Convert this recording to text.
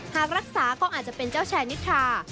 หากรักษาก็อาจจะเป็นเจ้าชายนิทรา